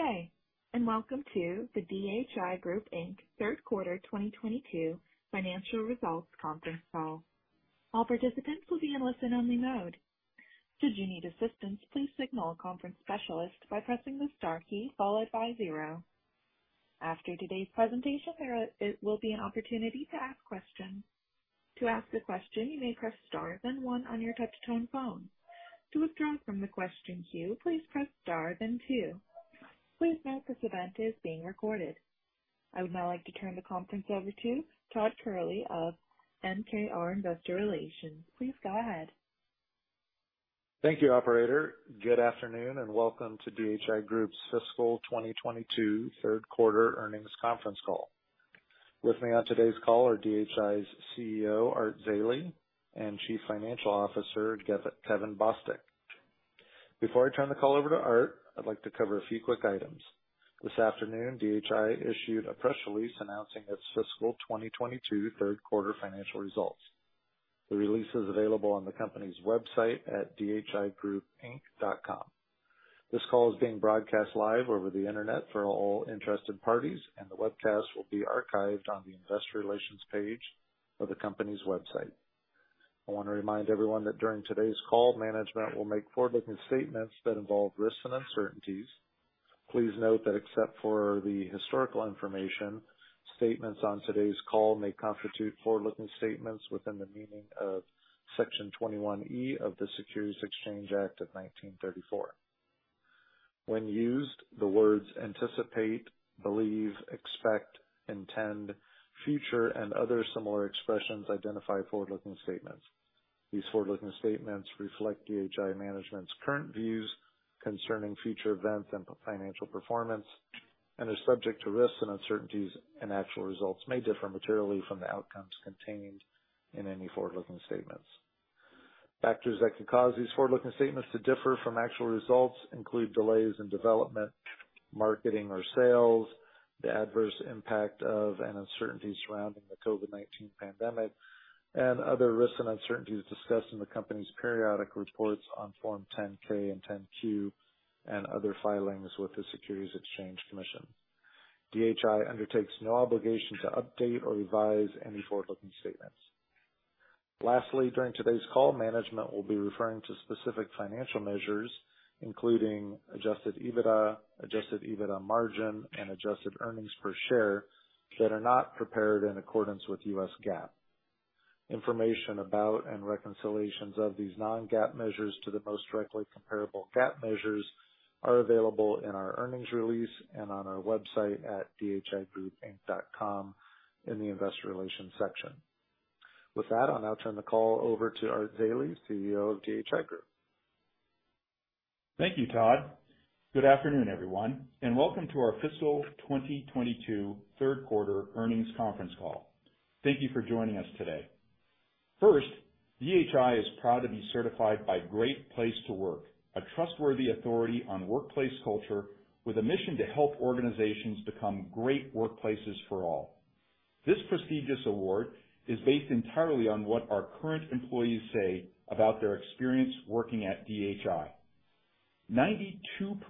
Good day, and welcome to the DHI Group, Inc. third quarter 2022 financial results conference call. All participants will be in listen-only mode. Should you need assistance, please signal a conference specialist by pressing the star key followed by zero. After today's presentation, there will be an opportunity to ask questions. To ask a question, you may press star then one on your touch-tone phone. To withdraw from the question queue, please press star then two. Please note this event is being recorded. I would now like to turn the conference over to Todd Kehrli of MKR Investor Relations. Please go ahead. Thank you, operator. Good afternoon, and welcome to DHI Group's fiscal 2022 third quarter earnings conference call. With me on today's call are DHI's CEO, Art Zeile, and Chief Financial Officer, Kevin Bostick. Before I turn the call over to Art, I'd like to cover a few quick items. This afternoon, DHI issued a press release announcing its fiscal 2022 third quarter financial results. The release is available on the company's website at dhigroupinc.com. This call is being broadcast live over the Internet for all interested parties, and the webcast will be archived on the investor relations page of the company's website. I wanna remind everyone that during today's call, management will make forward-looking statements that involve risks and uncertainties. Please note that except for the historical information, statements on today's call may constitute forward-looking statements within the meaning of Section 21E of the Securities Exchange Act of 1934. When used, the words anticipate, believe, expect, intend, future, and other similar expressions identify forward-looking statements. These forward-looking statements reflect DHI management's current views concerning future events and financial performance and are subject to risks and uncertainties, and actual results may differ materially from the outcomes contained in any forward-looking statements. Factors that could cause these forward-looking statements to differ from actual results include delays in development, marketing or sales, the adverse impact of and uncertainty surrounding the COVID-19 pandemic, and other risks and uncertainties discussed in the company's periodic reports on Form 10-K and 10-Q and other filings with the Securities and Exchange Commission. DHI undertakes no obligation to update or revise any forward-looking statements. Lastly, during today's call, management will be referring to specific financial measures, including adjusted EBITDA, adjusted EBITDA margin, and adjusted earnings per share that are not prepared in accordance with U.S. GAAP. Information about and reconciliations of these non-GAAP measures to the most directly comparable GAAP measures are available in our earnings release and on our website at dhigroupinc.com in the investor relations section. With that, I'll now turn the call over to Art Zeile, CEO of DHI Group. Thank you, Todd. Good afternoon, everyone, and welcome to our fiscal 2022 third quarter earnings conference call. Thank you for joining us today. First, DHI is proud to be certified by Great Place to Work, a trustworthy authority on workplace culture with a mission to help organizations become great workplaces for all. This prestigious award is based entirely on what our current employees say about their experience working at DHI. 92%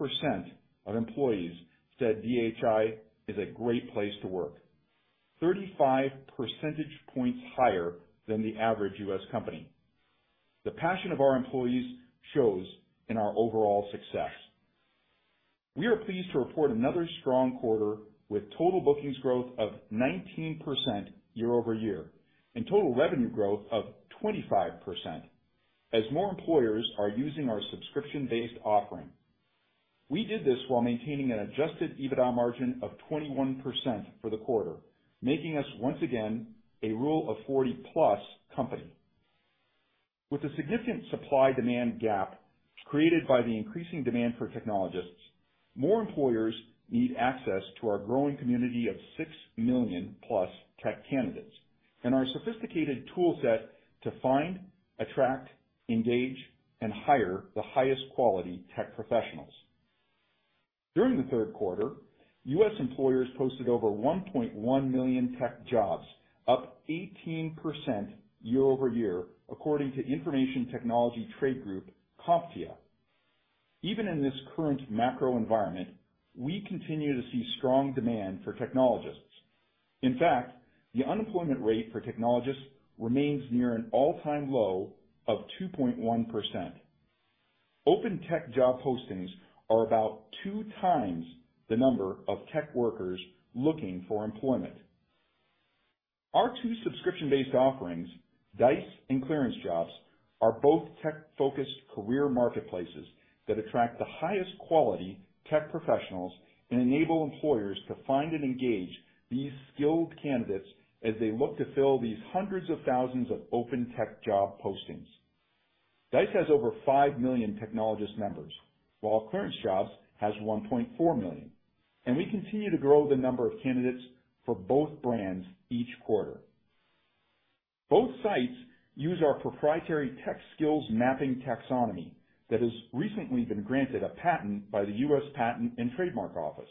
of employees said DHI is a great place to work, 35 percentage points higher than the average U.S. company. The passion of our employees shows in our overall success. We are pleased to report another strong quarter, with total bookings growth of 19% year-over-year and total revenue growth of 25% as more employers are using our subscription-based offering. We did this while maintaining an adjusted EBITDA margin of 21% for the quarter, making us, once again, a rule of 40+ company. With a significant supply-demand gap created by the increasing demand for technologists, more employers need access to our growing community of 6 million+ tech candidates and our sophisticated tool set to find, attract, engage, and hire the highest quality tech professionals. During the third quarter, U.S. employers posted over 1.1 million tech jobs, up 18% year-over-year, according to information technology trade group CompTIA. Even in this current macro environment, we continue to see strong demand for technologists. In fact, the unemployment rate for technologists remains near an all-time low of 2.1%. Open tech job postings are about two times the number of tech workers looking for employment. Our two subscription-based offerings, Dice and ClearanceJobs, are both tech-focused career marketplaces that attract the highest quality tech professionals and enable employers to find and engage these skilled candidates as they look to fill these hundreds of thousands of open tech job postings. Dice has over 5 million technologist members, while ClearanceJobs has 1.4 million, and we continue to grow the number of candidates for both brands each quarter. Both sites use our proprietary tech skills mapping taxonomy that has recently been granted a patent by the U.S. Patent and Trademark Office.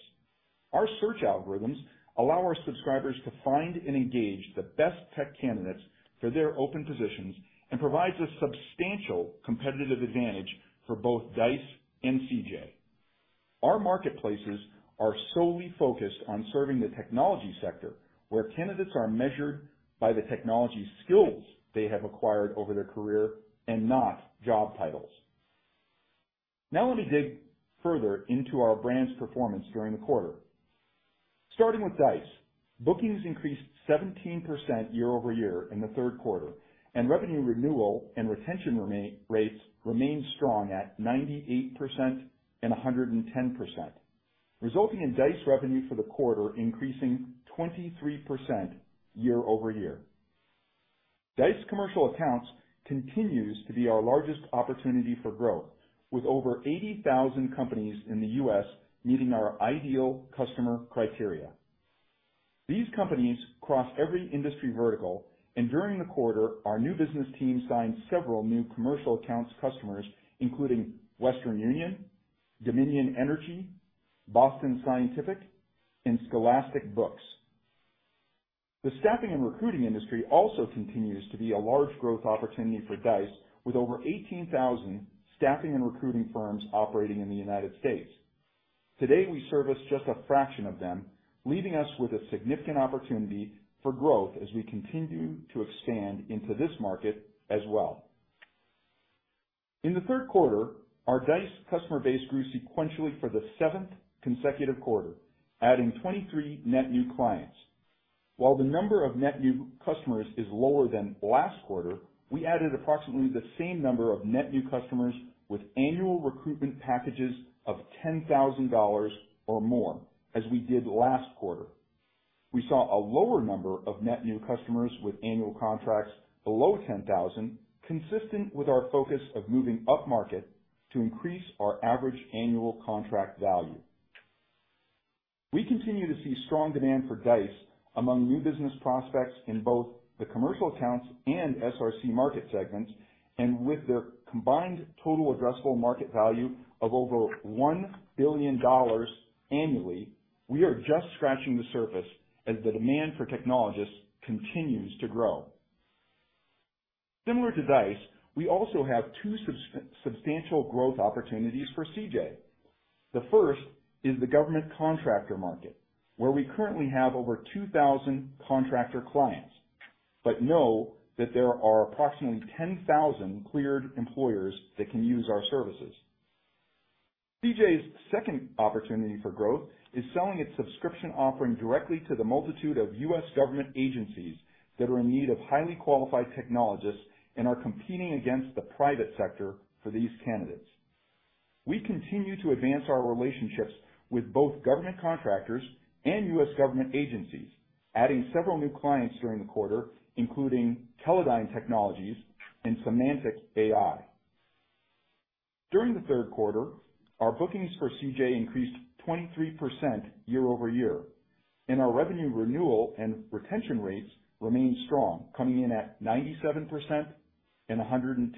Our search algorithms allow our subscribers to find and engage the best tech candidates for their open positions and provides a substantial competitive advantage for both Dice and CJ. Our marketplaces are solely focused on serving the technology sector, where candidates are measured by the technology skills they have acquired over their career, and not job titles. Now let me dig further into our brand's performance during the quarter. Starting with Dice. Bookings increased 17% year-over-year in the third quarter, and revenue renewal and retention rates remained strong at 98% and 110%, resulting in Dice revenue for the quarter increasing 23% year-over-year. Dice commercial accounts continues to be our largest opportunity for growth, with over 80,000 companies in the U.S. meeting our ideal customer criteria. These companies cross every industry vertical, and during the quarter, our new business team signed several new commercial accounts customers, including Western Union, Dominion Energy, Boston Scientific, and Scholastic books. The staffing and recruiting industry also continues to be a large growth opportunity for Dice, with over 18,000 staffing and recruiting firms operating in the United States. Today, we service just a fraction of them, leaving us with a significant opportunity for growth as we continue to expand into this market as well. In the third quarter, our Dice customer base grew sequentially for the seventh consecutive quarter, adding 23 net new clients. While the number of net new customers is lower than last quarter, we added approximately the same number of net new customers with annual recruitment packages of $10,000 or more as we did last quarter. We saw a lower number of net new customers with annual contracts below $10,000, consistent with our focus of moving upmarket to increase our average annual contract value. We continue to see strong demand for Dice among new business prospects in both the commercial accounts and SRC market segments, and with their combined total addressable market value of over $1 billion annually, we are just scratching the surface as the demand for technologists continues to grow. Similar to Dice, we also have two substantial growth opportunities for CJ. The first is the government contractor market, where we currently have over 2,000 contractor clients. Know that there are approximately 10,000 cleared employers that can use our services. CJ's second opportunity for growth is selling its subscription offering directly to the multitude of U.S. government agencies that are in need of highly qualified technologists and are competing against the private sector for these candidates. We continue to advance our relationships with both government contractors and U.S. government agencies, adding several new clients during the quarter, including Teledyne Technologies and Semantic AI. During the third quarter, our bookings for CJ increased 23% year-over-year, and our revenue renewal and retention rates remained strong, coming in at 97% and 110%.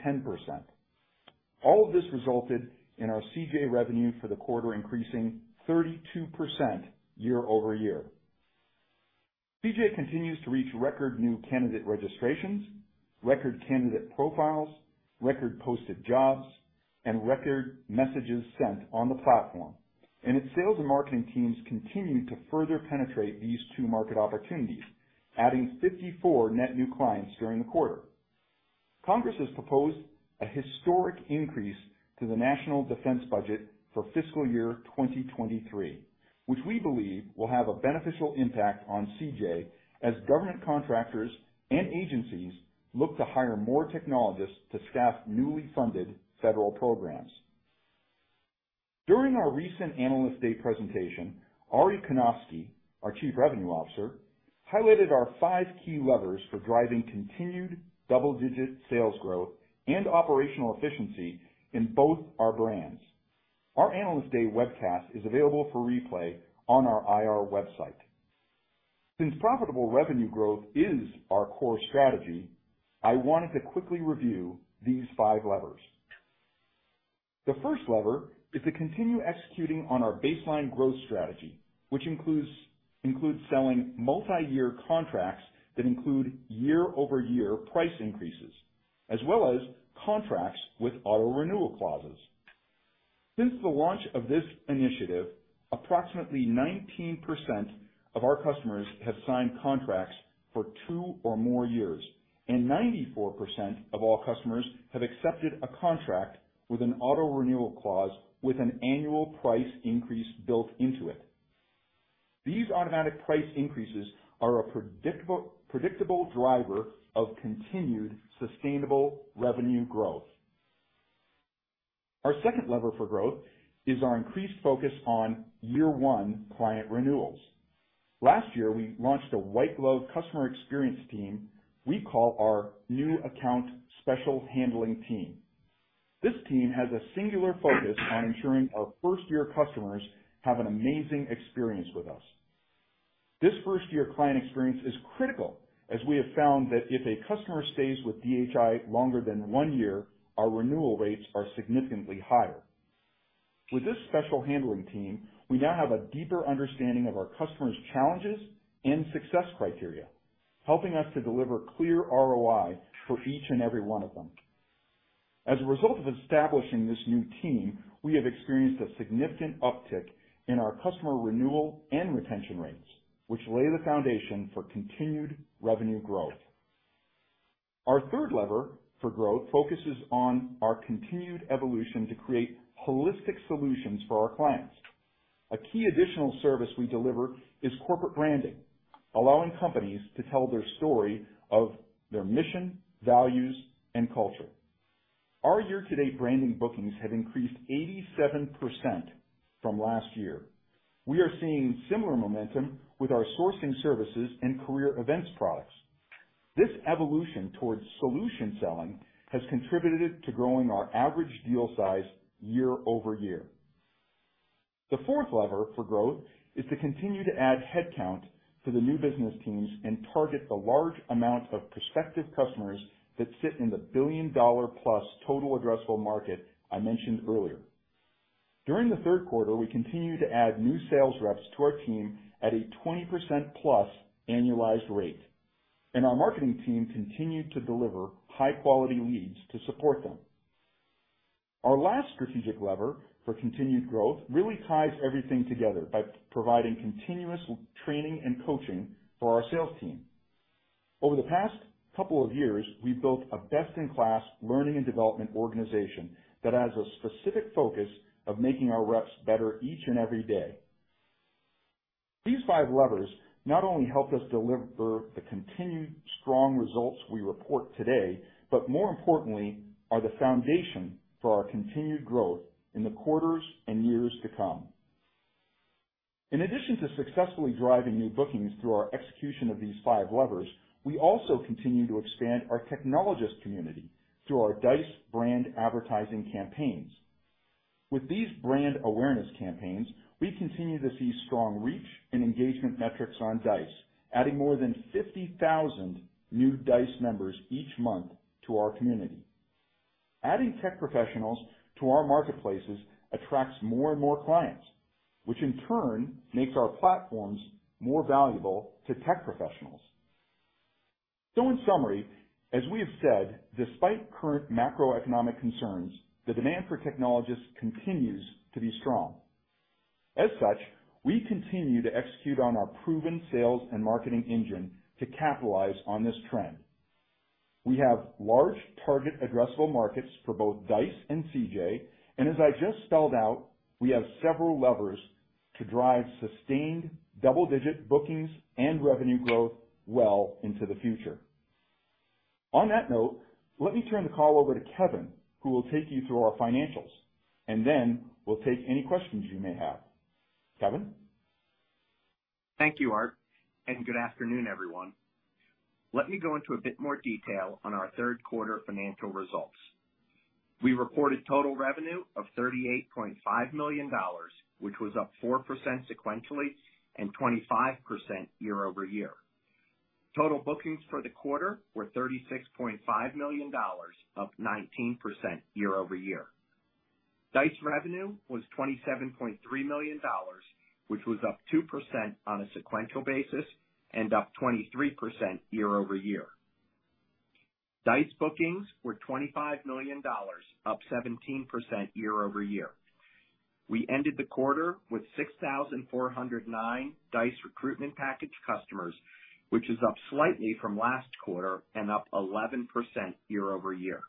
All of this resulted in our CJ revenue for the quarter increasing 32% year-over-year. CJ continues to reach record new candidate registrations, record candidate profiles, record posted jobs, and record messages sent on the platform. Its sales and marketing teams continue to further penetrate these two market opportunities, adding 54 net new clients during the quarter. Congress has proposed a historic increase to the national defense budget for fiscal year 2023, which we believe will have a beneficial impact on CJ as government contractors and agencies look to hire more technologists to staff newly funded federal programs. During our recent Analyst Day presentation, Arie Kanofsky, our Chief Revenue Officer, highlighted our five key levers for driving continued double-digit sales growth and operational efficiency in both our brands. Our Analyst Day webcast is available for replay on our IR website. Since profitable revenue growth is our core strategy, I wanted to quickly review these five levers. The first lever is to continue executing on our baseline growth strategy, which includes selling multi-year contracts that include year-over-year price increases, as well as contracts with auto-renewal clauses. Since the launch of this initiative, approximately 19% of our customers have signed contracts for two or more years, and 94% of all customers have accepted a contract with an auto-renewal clause with an annual price increase built into it. These automatic price increases are a predictable driver of continued sustainable revenue growth. Our second lever for growth is our increased focus on year one client renewals. Last year, we launched a white-glove customer experience team we call our new account special handling team. This team has a singular focus on ensuring our first-year customers have an amazing experience with us. This first-year client experience is critical, as we have found that if a customer stays with DHI longer than one year, our renewal rates are significantly higher. With this special handling team, we now have a deeper understanding of our customers' challenges and success criteria, helping us to deliver clear ROI for each and every one of them. As a result of establishing this new team, we have experienced a significant uptick in our customer renewal and retention rates, which lay the foundation for continued revenue growth. Our third lever for growth focuses on our continued evolution to create holistic solutions for our clients. A key additional service we deliver is corporate branding, allowing companies to tell their story of their mission, values, and culture. Our year-to-date branding bookings have increased 87% from last year. We are seeing similar momentum with our sourcing services and career events products. This evolution towards solution selling has contributed to growing our average deal size year-over-year. The fourth lever for growth is to continue to add headcount to the new business teams, and target the large amount of prospective customers that sit in the billion-dollar-plus total addressable market I mentioned earlier. During the third quarter, we continued to add new sales reps to our team at a 20%+ annualized rate, and our marketing team continued to deliver high-quality leads to support them. Our last strategic lever for continued growth really ties everything together by providing continuous training and coaching for our sales team. Over the past couple of years, we've built a best-in-class learning and development organization that has a specific focus of making our reps better each and every day. These five levers not only help us deliver the continued strong results we report today, but more importantly, are the foundation for our continued growth in the quarters and years to come. In addition to successfully driving new bookings through our execution of these five levers, we also continue to expand our technologist community through our Dice brand advertising campaigns. With these brand awareness campaigns, we continue to see strong reach and engagement metrics on Dice, adding more than 50,000 new Dice members each month to our community. Adding tech professionals to our marketplaces attracts more and more clients, which in turn makes our platforms more valuable to tech professionals. In summary, as we have said, despite current macroeconomic concerns, the demand for technologists continues to be strong. As such, we continue to execute on our proven sales and marketing engine to capitalize on this trend. We have large target addressable markets for both Dice and CJ, and as I just spelled out, we have several levers to drive sustained double-digit bookings and revenue growth well into the future. On that note, let me turn the call over to Kevin, who will take you through our financials, and then we'll take any questions you may have. Kevin? Thank you, Art, and good afternoon, everyone. Let me go into a bit more detail on our third quarter financial results. We reported total revenue of $38.5 million, which was up 4% sequentially and 25% year-over-year. Total bookings for the quarter were $36.5 million, up 19% year-over-year. Dice revenue was $27.3 million, which was up 2% on a sequential basis and up 23% year-over-year. Dice bookings were $25 million, up 17% year-over-year. We ended the quarter with 6,409 Dice recruitment package customers, which is up slightly from last quarter and up 11% year-over-year.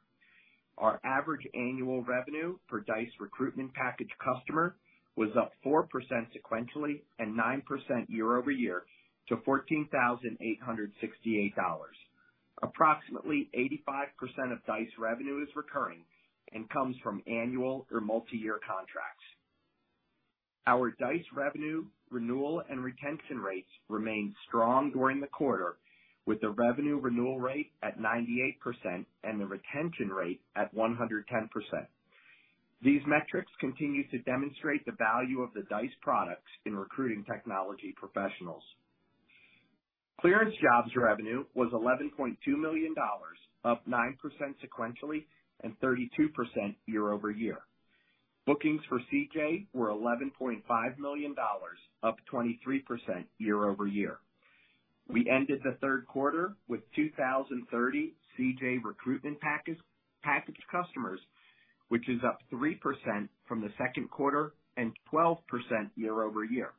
Our average annual revenue per Dice recruitment package customer was up 4% sequentially and 9% year over year to $14,868. Approximately 85% of Dice revenue is recurring and comes from annual or multiyear contracts. Our Dice revenue renewal and retention rates remained strong during the quarter, with the revenue renewal rate at 98% and the retention rate at 110%. These metrics continue to demonstrate the value of the Dice products in recruiting technology professionals. ClearanceJobs revenue was $11.2 million, up 9% sequentially and 32% year over year. Bookings for CJ were $11.5 million, up 23% year over year. We ended the third quarter with 2,030 CJ recruitment package customers, which is up 3% from the second quarter and 12% year-over-year.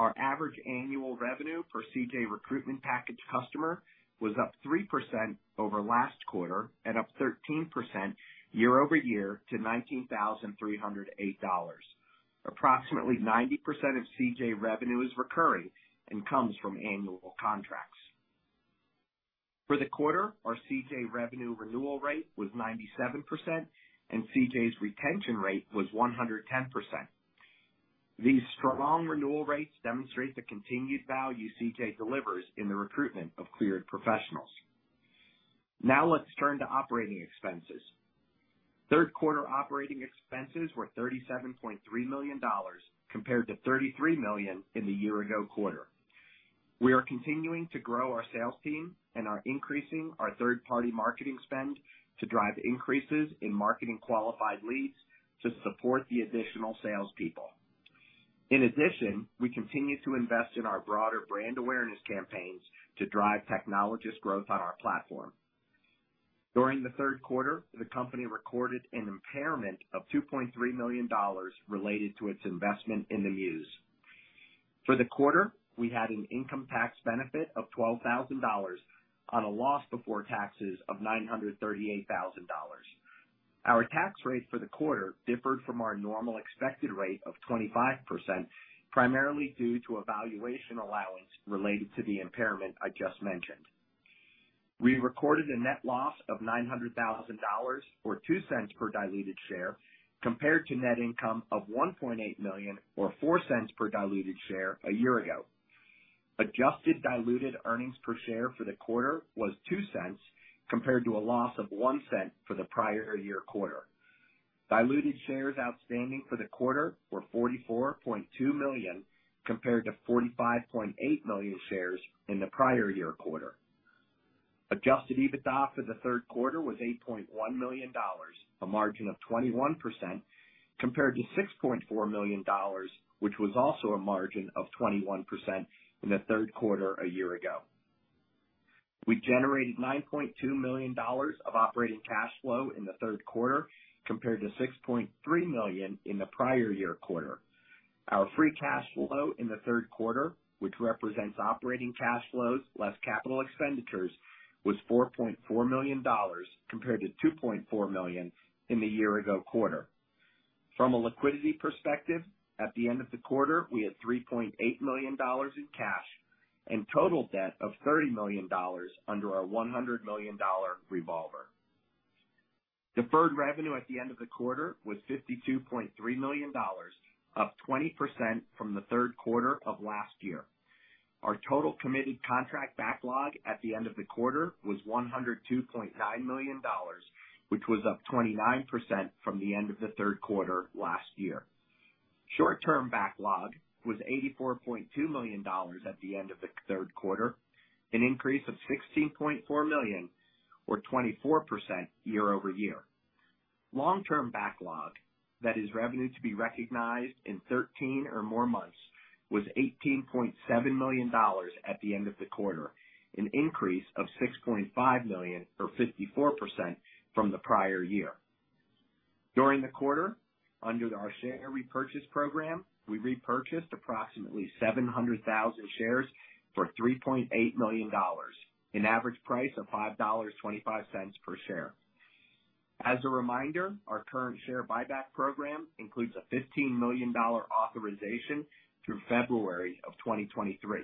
Our average annual revenue per CJ recruitment package customer was up 3% over last quarter and up 13% year-over-year to $19,308. Approximately 90% of CJ revenue is recurring and comes from annual contracts. For the quarter, our CJ revenue renewal rate was 97%, and CJ's retention rate was 110%. These strong renewal rates demonstrate the continued value CJ delivers in the recruitment of cleared professionals. Now let's turn to operating expenses. Third quarter operating expenses were $37.3 million compared to $33 million in the year-ago quarter. We are continuing to grow our sales team and are increasing our third-party marketing spend to drive increases in marketing qualified leads to support the additional sales people. In addition, we continue to invest in our broader brand awareness campaigns to drive technologist growth on our platform. During the third quarter, the company recorded an impairment of $2.3 million related to its investment in The Muse. For the quarter, we had an income tax benefit of $12,000 on a loss before taxes of $938,000. Our tax rate for the quarter differed from our normal expected rate of 25%, primarily due to a valuation allowance related to the impairment I just mentioned. We recorded a net loss of $900 thousand or $0.02 per diluted share, compared to net income of $1.8 million or $0.04 per diluted share a year ago. Adjusted diluted earnings per share for the quarter was $0.02, compared to a loss of $0.01 for the prior year quarter. Diluted shares outstanding for the quarter were 44.2 million, compared to 45.8 million shares in the prior year quarter. Adjusted EBITDA for the third quarter was $8.1 million, a margin of 21% compared to $6.4 million, which was also a margin of 21% in the third quarter a year ago. We generated $9.2 million of operating cash flow in the third quarter compared to $6.3 million in the prior year quarter. Our free cash flow in the third quarter, which represents operating cash flows less capital expenditures, was $4.4 million compared to $2.4 million in the year ago quarter. From a liquidity perspective, at the end of the quarter, we had $3.8 million in cash and total debt of $30 million under our $100 million revolver. Deferred revenue at the end of the quarter was $52.3 million, up 20% from the third quarter of last year. Our total committed contract backlog at the end of the quarter was $102.9 million, which was up 29% from the end of the third quarter last year. Short-term backlog was $84.2 million at the end of the third quarter, an increase of $16.4 million or 24% year-over-year. Long-term backlog, that is revenue to be recognized in 13 or more months, was $18.7 million at the end of the quarter, an increase of $6.5 million or 54% from the prior year. During the quarter, under our share repurchase program, we repurchased approximately 700,000 shares for $3.8 million, an average price of $5.25 per share. As a reminder, our current share buyback program includes a $15 million authorization through February 2023.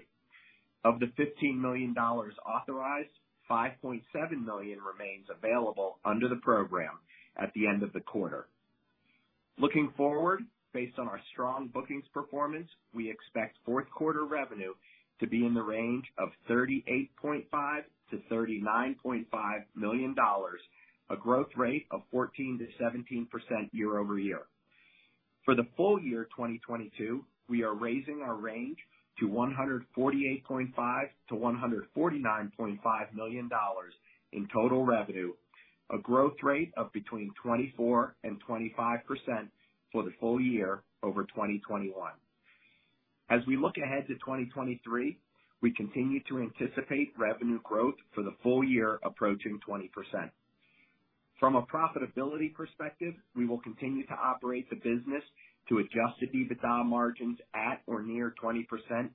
Of the $15 million authorized, $5.7 million remains available under the program at the end of the quarter. Looking forward, based on our strong bookings performance, we expect fourth quarter revenue to be in the range of $38.5 million-$39.5 million, a growth rate of 14%-17% year-over-year. For the full year 2022, we are raising our range to $148.5 million-$149.5 million in total revenue, a growth rate of between 24% and 25% for the full year over 2021. As we look ahead to 2023, we continue to anticipate revenue growth for the full year approaching 20%. From a profitability perspective, we will continue to operate the business to adjusted EBITDA margins at or near 20%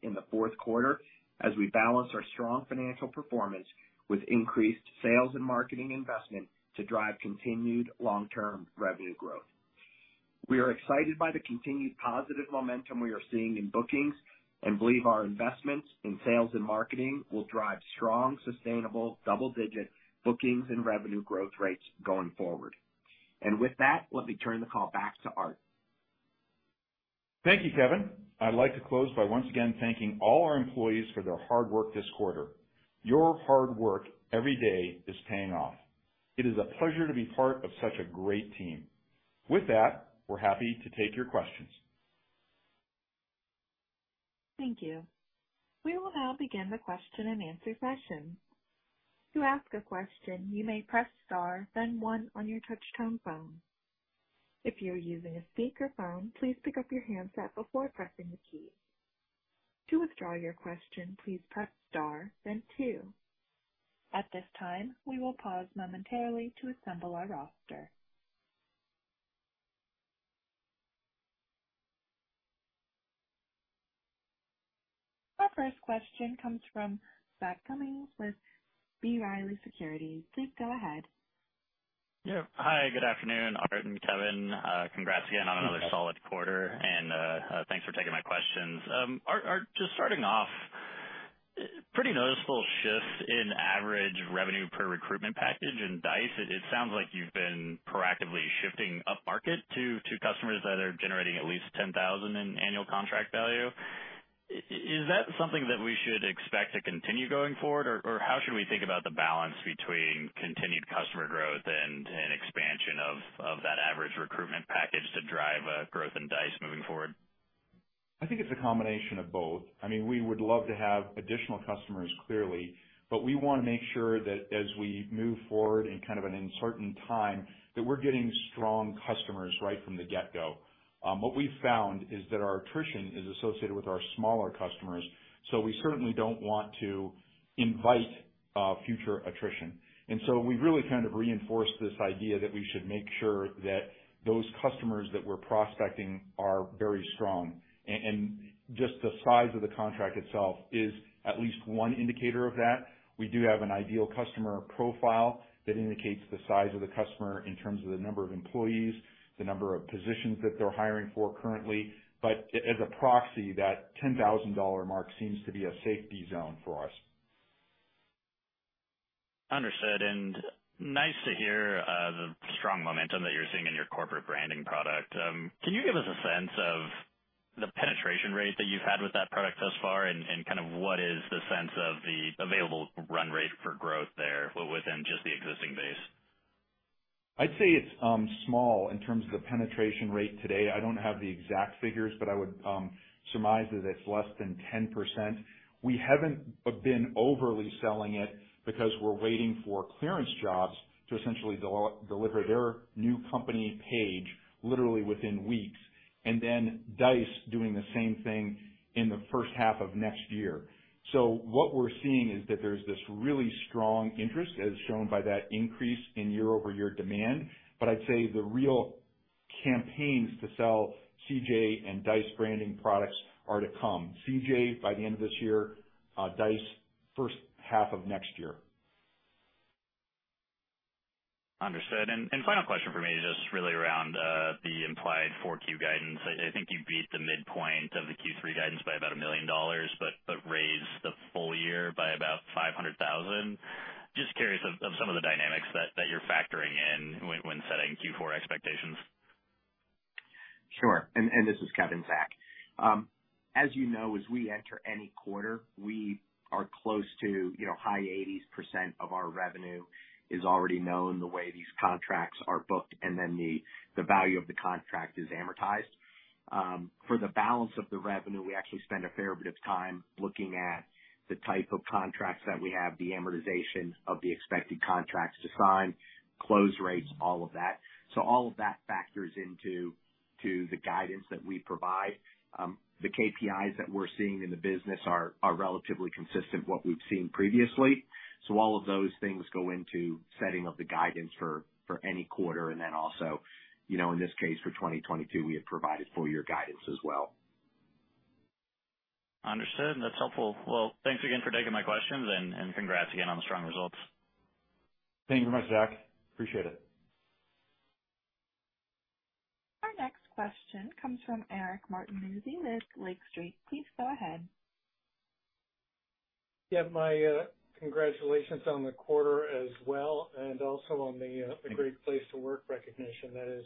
in the fourth quarter as we balance our strong financial performance with increased sales and marketing investment to drive continued long-term revenue growth. We are excited by the continued positive momentum we are seeing in bookings and believe our investments in sales and marketing will drive strong, sustainable double-digit bookings and revenue growth rates going forward. With that, let me turn the call back to Art. Thank you, Kevin. I'd like to close by once again thanking all our employees for their hard work this quarter. Your hard work every day is paying off. It is a pleasure to be part of such a great team. With that, we're happy to take your questions. Thank you. We will now begin the question and answer session. To ask a question, you may press star then one on your touch tone phone. If you're using a speakerphone, please pick up your handset before pressing the key. To withdraw your question, please press star then two. At this time, we will pause momentarily to assemble our roster. Our first question comes from Zachary Cummins with B. Riley Securities. Please go ahead. Yeah. Hi, good afternoon, Art and Kevin. Congrats again on another solid quarter, and thanks for taking my questions. Art, just starting off, pretty noticeable shift in average revenue per recruitment package in Dice. It sounds like you've been proactively shifting upmarket to customers that are generating at least $10,000 in annual contract value. Is that something that we should expect to continue going forward? Or how should we think about the balance between continued customer growth, and expansion of that average recruitment package to drive growth in Dice moving forward? I think it's a combination of both. I mean, we would love to have additional customers, clearly, but we wanna make sure that as we move forward in kind of an uncertain time, that we're getting strong customers right from the get-go. What we've found is that our attrition is associated with our smaller customers, so we certainly don't want to invite future attrition. We've really kind of reinforced this idea that we should make sure that those customers that we're prospecting are very strong. Just the size of the contract itself is at least one indicator of that. We do have an ideal customer profile that indicates the size of the customer in terms of the number of employees, the number of positions that they're hiring for currently. As a proxy, that $10,000 mark seems to be a safety zone for us. Understood. Nice to hear the strong momentum that you're seeing in your corporate branding product. Can you give us a sense of the penetration rate that you've had with that product thus far? And what is the sense of the available run rate for growth there within just the existing base? I'd say it's small in terms of the penetration rate today. I don't have the exact figures, but I would surmise that it's less than 10%. We haven't been overly selling it because we're waiting for ClearanceJobs to essentially deliver their new company page literally within weeks, and then Dice doing the same thing in the first half of next year. What we're seeing is that there's this really strong interest, as shown by that increase in year-over-year demand. I'd say the real campaigns to sell CJ and Dice branding products are to come. CJ by the end of this year, Dice first half of next year. Understood. Final question from me, just really around the implied 4Q guidance. I think you beat the midpoint of the Q3 guidance by about $1 million, but raised the full year by about $500,0000. Just curious of some of the dynamics that you're factoring in when setting Q4 expectations. Sure. This is Kevin, Zach. As we enter any quarter, we are close to high 80s% of our revenue is already known the way these contracts are booked, and then the value of the contract is amortized. For the balance of the revenue, we actually spend a fair bit of time looking at the type of contracts that we have, the amortization of the expected contracts to sign, close rates, all of that. All of that factors into the guidance that we provide. The KPIs that we're seeing in the business are relatively consistent with what we've seen previously. All of those things go into setting of the guidance for any quarter. Then also in this case for 2022, we have provided full year guidance as well. Understood. That's helpful. Well, thanks again for taking my questions, and congrats again on the strong results. Thank you very much, Zach. Appreciate it. Our next question comes from Eric Martinuzzi with Lake Street. Please go ahead. Yeah. My congratulations on the quarter as well, and also on the Great Place to Work recognition. That is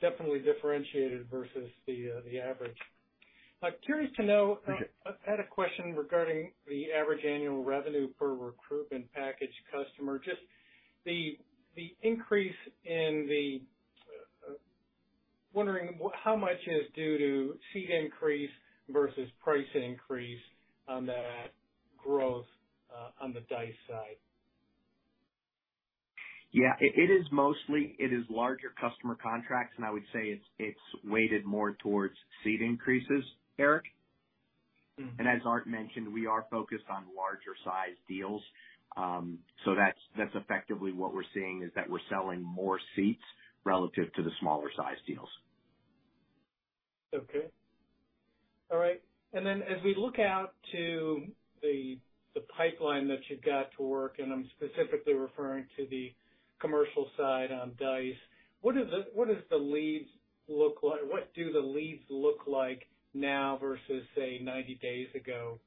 definitely differentiated versus the average. I had a question regarding the average annual revenue per recruitment package customer. Wondering how much is due to seat increase versus price increase on that growth, on the Dice side? Yeah. It is mostly larger customer contracts, and I would say it's weighted more towards seat increases, Eric. As Art mentioned, we are focused on larger sized deals. That's effectively what we're seeing is that we're selling more seats relative to the smaller sized deals. Okay. All right. Then as we look out to the pipeline that you've got to work, and I'm specifically referring to the commercial side on Dice, what do the leads look like now versus, say, 90 days ago?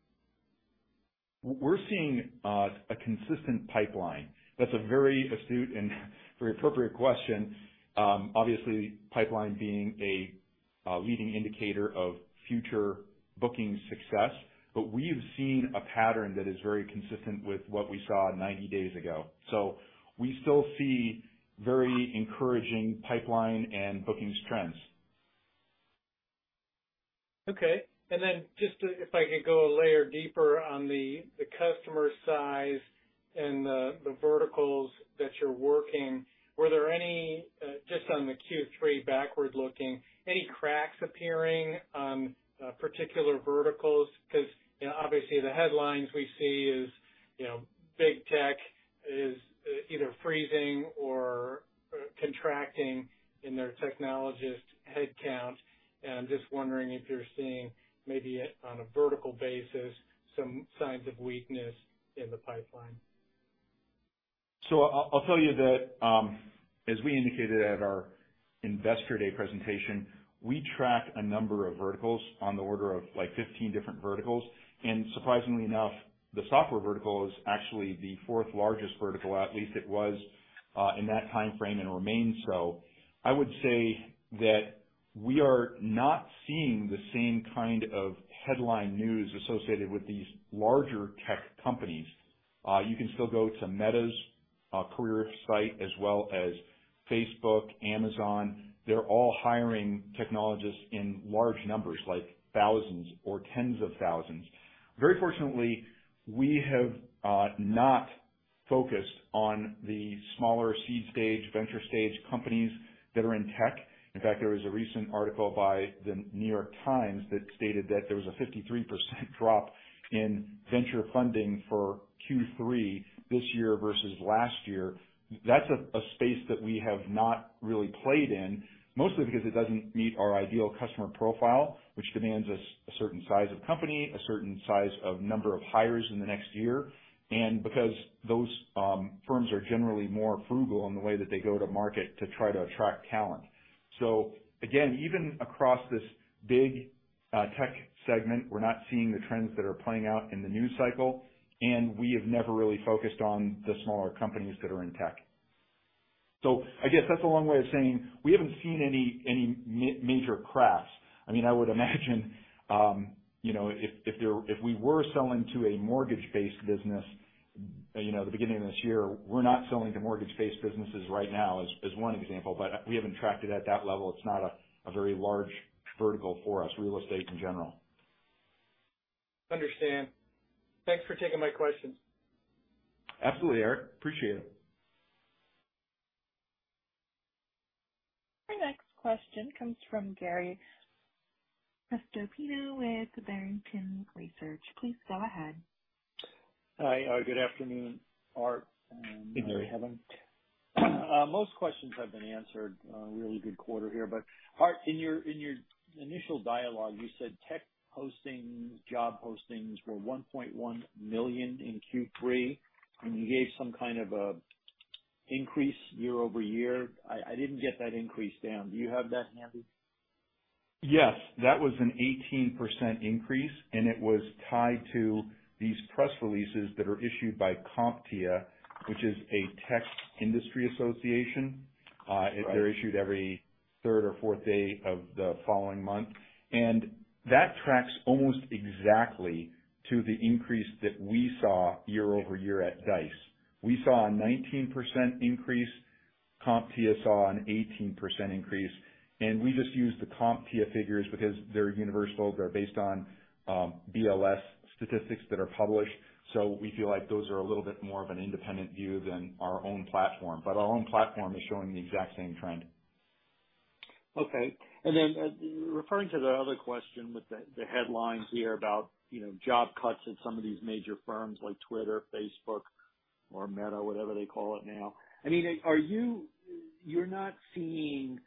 We're seeing a consistent pipeline. That's a very astute and very appropriate question. Obviously, pipeline being a leading indicator of future booking success. We have seen a pattern that is very consistent with what we saw 90 days ago. We still see very encouraging pipeline and bookings trends. Okay. If I could go a layer deeper on the customer size, and the verticals that you're working, were there any just on the Q3 backward looking, any cracks appearing on particular verticals? Because obviously the headlines we see is big tech is either freezing or contracting in their technologist headcount, and I'm just wondering if you're seeing maybe on a vertical basis some signs of weakness in the pipeline. I'll tell you that, as we indicated at our Investor Day presentation, we track a number of verticals on the order of, like, 15 different verticals. Surprisingly enough, the software vertical is actually the fourth largest vertical, at least it was, in that time frame and remains so. I would say that we are not seeing the same kind of headline news associated with these larger tech companies. You can still go to Meta's career site as well as Facebook, Amazon. They're all hiring technologists in large numbers, like thousands or tens of thousands. Very fortunately, we have not focused on the smaller seed stage, venture stage companies that are in tech. In fact, there was a recent article by The New York Times that stated that there was a 53% drop in venture funding for Q3 this year versus last year. That's a space that we have not really played in, mostly because it doesn't meet our ideal customer profile, which demands a certain size of company, a certain size of number of hires in the next year, and because those firms are generally more frugal in the way that they go to market to try to attract talent. Again, even across this big tech segment, we're not seeing the trends that are playing out in the news cycle, and we have never really focused on the smaller companies that are in tech. I guess that's a long way of saying we haven't seen any major cracks. I mean, I would imagine if we were selling to a mortgage-based business, the beginning of this year, we're not selling to mortgage-based businesses right now, as one example, but we haven't tracked it at that level. It's not a very large vertical for us, real estate in general. Understand. Thanks for taking my questions. Absolutely, Eric. Appreciate it. Our next question comes from Gary Prestopino with Barrington Research. Please go ahead. Hi. Good afternoon, Art. Hey, Gary, how are you? Most questions have been answered, really good quarter here. But Art, in your initial dialogue, you said tech postings, job postings were 1.1 million in Q3, and you gave some kind of an increase year-over-year. I didn't get that increase down. Do you have that handy? Yes. That was an 18% increase, and it was tied to these press releases that are issued by CompTIA, which is a tech industry association. They're issued every third or fourth day of the following month. That tracks almost exactly to the increase that we saw year-over-year at Dice. We saw a 19% increase. CompTIA saw an 18% increase. We just use the CompTIA figures because they're universal. They're based on BLS statistics that are published. We feel like those are a little bit more of an independent view than our own platform. Our own platform is showing the exact same trend. Okay. Referring to the other question with the headlines here about job cuts at some of these major firms like X, Facebook, or Meta, whatever they call it now, I mean, you're not seeing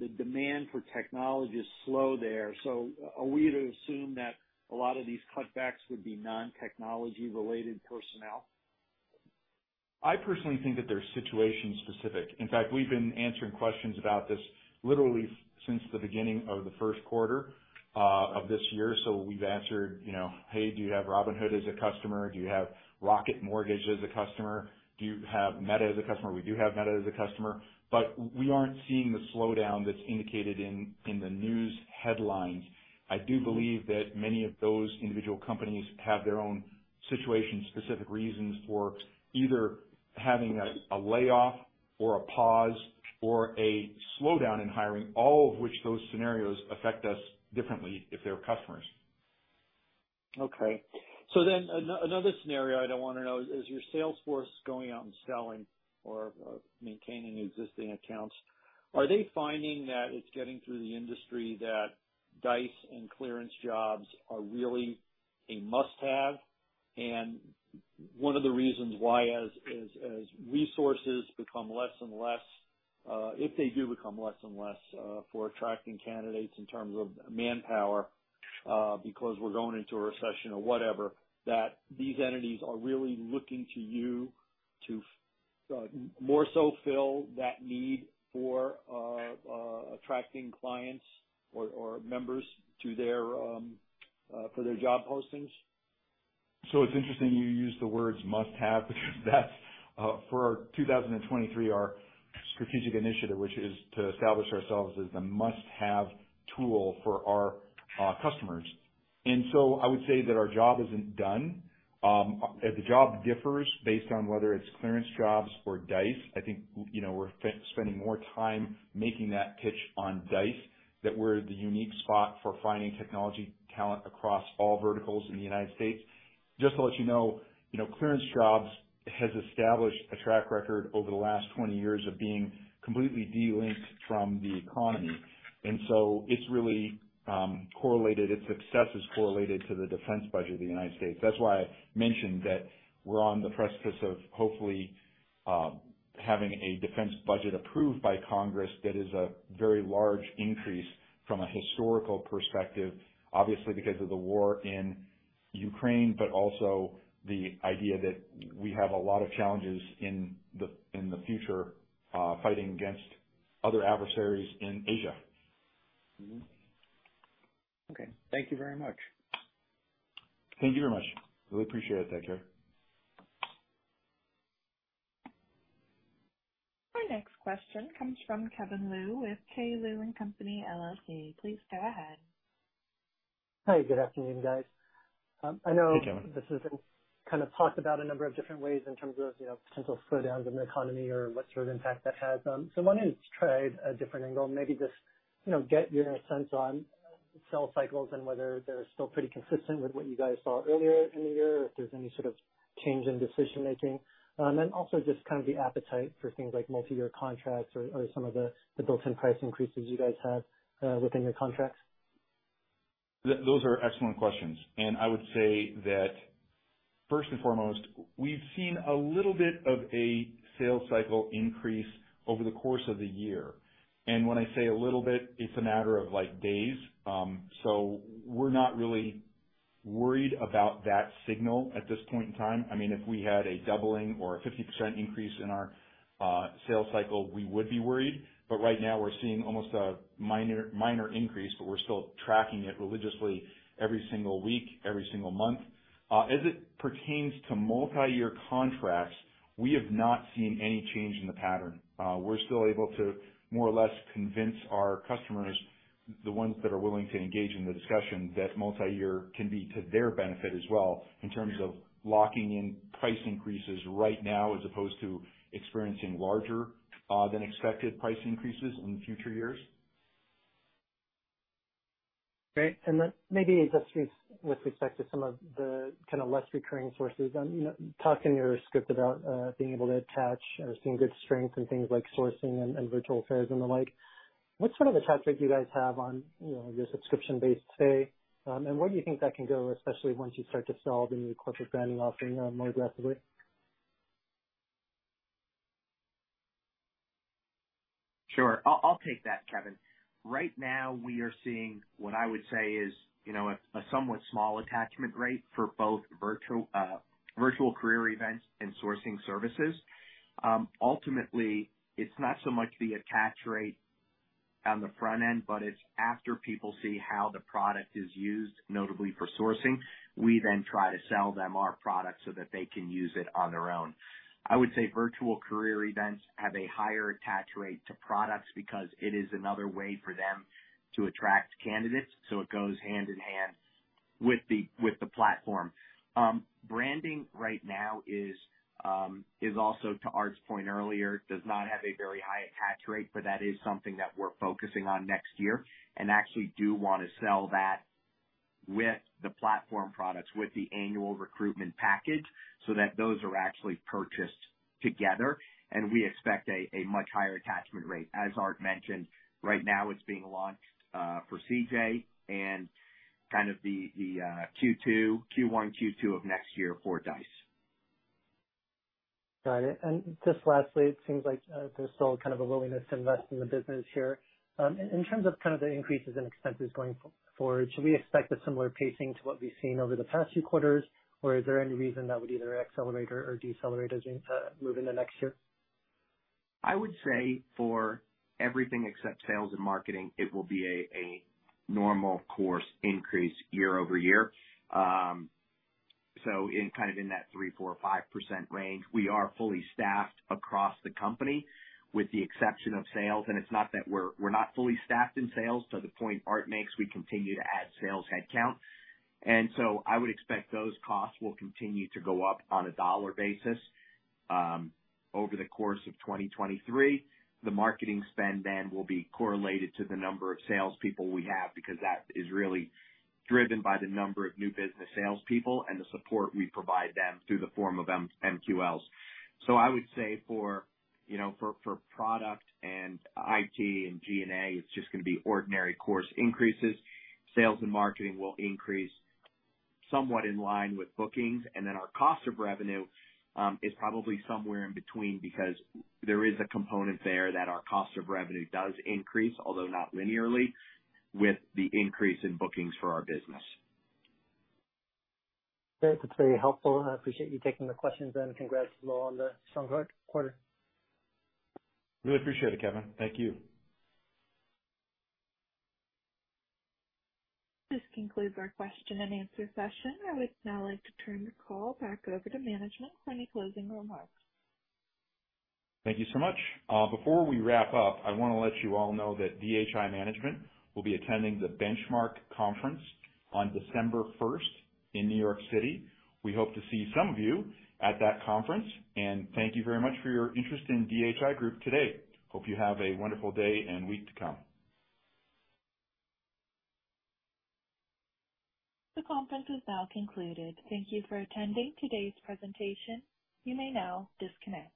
the demand for technologists slow there. Are we to assume that a lot of these cutbacks would be non-technology related personnel? I personally think that they're situation specific. In fact, we've been answering questions about this literally since the beginning of the first quarter of this year. We've answered, "Hey, do you have Robinhood as a customer? Do you have Rocket Mortgage as a customer? Do you have Meta as a customer?" We do have Meta as a customer, but we aren't seeing the slowdown that's indicated in the news headlines. I do believe that many of those individual companies have their own situation-specific reasons for either having a layoff or a pause or a slowdown in hiring, all of which those scenarios affect us differently if they're customers. Another scenario I wanna know is your sales force going out and selling or maintaining existing accounts. Are they finding that it's getting through the industry that Dice and ClearanceJobs are really a must-have? One of the reasons why, as resources become less and less, if they do become less and less, for attracting candidates in terms of manpower, because we're going into a recession or whatever, that these entities are really looking to you to more so fill that need for attracting clients or members for their job postings. It's interesting you use the words must have because that's for our 2023 our strategic initiative, which is to establish ourselves as the must-have tool for our customers. I would say that our job isn't done. The job differs based on whether it's ClearanceJobs or Dice. I think, we're spending more time making that pitch on Dice, that we're the unique spot for finding technology talent across all verticals in the United States. Just to let you know ClearanceJobs has established a track record over the last 20 years of being completely de-linked from the economy, and it's really correlated. Its success is correlated to the defense budget of the United States. That's why I mentioned that we're on the precipice of hopefully having a defense budget approved by Congress that is a very large increase from a historical perspective, obviously, because of the war in Ukraine, but also the idea that we have a lot of challenges in the future fighting against other adversaries in Asia. Okay. Thank you very much. Thank you very much. Really appreciate it. Thank you. Our next question comes from Kevin Liu with K. Liu & Company LLC. Please go ahead. Hi, good afternoon, guys. Hey, Kevin. This has been kind of talked about a number of different ways in terms of potential slowdowns in the economy or what sort of impact that has. I wanted to try a different angle and maybe just get your sense on sales cycles and whether they're still pretty consistent with what you guys saw earlier in the year or if there's any sort of change in decision-making. Also just kind of the appetite for things like multi-year contracts, or some of the built-in price increases you guys have within your contracts. Those are excellent questions. I would say that first and foremost, we've seen a little bit of a sales cycle increase over the course of the year. When I say a little bit, it's a matter of like days. We're not really worried about that signal at this point in time. I mean, if we had a doubling or a 50% increase in our sales cycle, we would be worried. But right now we're seeing almost a minor increase, but we're still tracking it religiously every single week, every single month. As it pertains to multi-year contracts, we have not seen any change in the pattern. We're still able to more or less convince our customers, the ones that are willing to engage in the discussion, that multi-year can be to their benefit as well in terms of locking in price increases right now, as opposed to experiencing larger than expected price increases in future years. Great. Maybe just with respect to some of the kind of less recurring sources talking in your script about being able to attach or seeing good strength and things like sourcing and virtual fairs and the like. What sort of a tactic do you guys have on, you know, your subscription-based pay? Where do you think that can go, especially once you start to sell the new corporate branding offering more aggressively? Sure. I'll take that, Kevin. Right now we are seeing what I would say is, you know, a somewhat small attachment rate for both virtual career events and sourcing services. Ultimately, it's not so much the attach rate on the front end, but it's after people see how the product is used, notably for sourcing. We then try to sell them our product so that they can use it on their own. I would say virtual career events have a higher attach rate to products because it is another way for them to attract candidates, so it goes hand in hand with the platform. Branding right now is also, to Art's point earlier, does not have a very high attach rate, but that is something that we're focusing on next year and actually do wanna sell that with the platform products, with the annual recruitment package, so that those are actually purchased together. We expect a much higher attachment rate. As Art mentioned, right now it's being launched for CJ and kind of the Q1, Q2 of next year for Dice. Got it. Just lastly, it seems like, there's still kind of a willingness to invest in the business here. In terms of kind of the increases in expenses going forward, should we expect a similar pacing to what we've seen over the past few quarters, or is there any reason that would either accelerate or decelerate as we move into next year? I would say for everything except sales and marketing, it will be a normal course increase year-over-year. In kind of that 3%-5% range. We are fully staffed across the company, with the exception of sales. It's not that we're not fully staffed in sales. To the point Art makes, we continue to add sales headcount, and so I would expect those costs will continue to go up on a dollar basis over the course of 2023. The marketing spend then will be correlated to the number of salespeople we have, because that is really driven by the number of new business salespeople and the support we provide them through the form of MQLs. I would say you know for product and IT and G&A, it's just gonna be ordinary course increases. Sales and marketing will increase somewhat in line with bookings. Our cost of revenue is probably somewhere in between because there is a component there that our cost of revenue does increase, although not linearly, with the increase in bookings for our business. Great. That's very helpful. I appreciate you taking the questions, and congrats as well on the strong quarter. Really appreciate it, Kevin. Thank you. This concludes our question and answer session. I would now like to turn the call back over to management for any closing remarks. Thank you so much. Before we wrap up, I wanna let you all know that DHI management will be attending the Benchmark Conference on December first in New York City. We hope to see some of you at that conference, and thank you very much for your interest in DHI Group today. Hope you have a wonderful day and week to come. The conference is now concluded. Thank you for attending today's presentation. You may now disconnect.